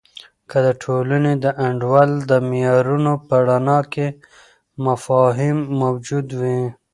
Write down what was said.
که د ټولنې د انډول د معیارونو په رڼا کې مفاهیم موجود وي.